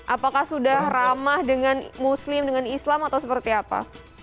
apakah sudah ramah dengan muslim dengan islam atau seperti apa